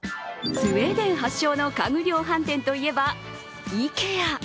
スウェーデン発祥の家具量販店といえば、ＩＫＥＡ。